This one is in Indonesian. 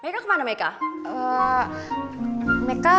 omega kemana mereka